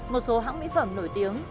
một số hãng mỹ phẩm nổi tiếng